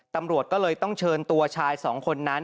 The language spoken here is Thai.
ตำรวจก็เลยต้องเชิญตัวชายสองคนนั้น